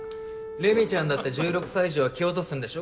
レミちゃんだって１６歳以上は蹴落とすんでしょ？